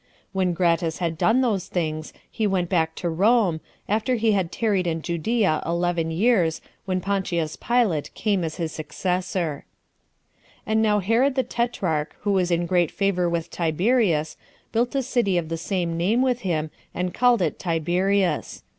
When Gratus had done those things, he went back to Rome, after he had tarried in Judea eleven years, when Pontius Pilate came as his successor. 3. And now Herod the tetrarch, who was in great favor with Tiberius, built a city of the same name with him, and called it Tiberias.